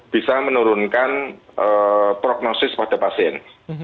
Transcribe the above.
bisa menurunkan prognosis pada pasien